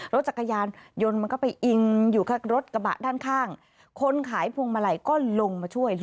รถจักรยานยนต์มันก็ไปอิงอยู่กับรถกระบะด้านข้าง